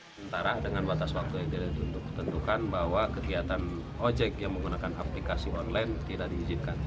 sementara dengan batas waktu yang tentukan bahwa kegiatan ojek yang menggunakan aplikasi online tidak diizinkan